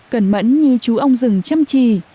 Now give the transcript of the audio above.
cẩn mẫn như chú ông rừng chăm chỉ